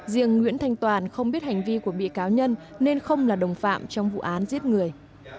riêng nguyễn thanh toàn không biết hành vi của bị cáo nhân nên không là đồng phạm trong vụ án giết người